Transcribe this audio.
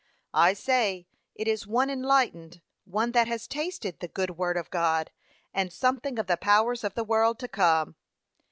I say, it is one enlightened, one that has tasted the good word of God, and something of the powers of the world to come.